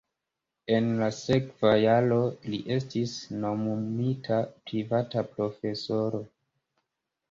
En la sekva jaro li estis nomumita privata profesoro.